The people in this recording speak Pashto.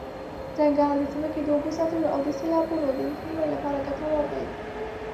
ځنګل د ځمکې د اوبو ساتلو او د سیلابونو د مخنیوي لپاره ګټور دی.